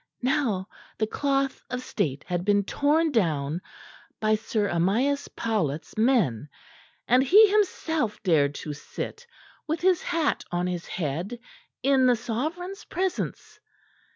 Now the cloth of state had been torn down by Sir Amyas Paulet's men, and he himself dared to sit with his hat on his head in the sovereign's presence!